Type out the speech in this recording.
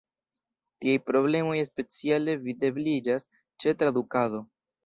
Tiaj problemoj speciale videbliĝas ĉe tradukado.